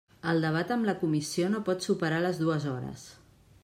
El debat amb la comissió no pot superar les dues hores.